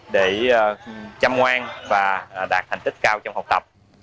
để chăm ngoan và đạt thành tích cao trong học tập